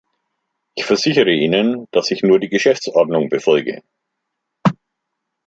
Ich versichere Ihnen, dass ich nur die Geschäftsordnung befolge.